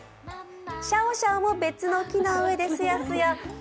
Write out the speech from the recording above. シャオシャオも別の木の上ですやすや。